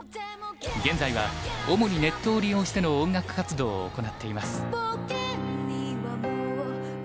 現在は主にネットを利用しての音楽活動を行っています。